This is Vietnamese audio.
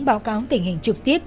báo cáo tình hình trực tiếp